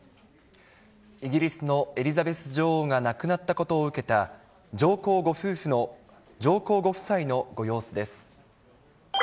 イギリスのエリザベス女王が亡くなったことを受けた、上皇ご夫妻のご様子です。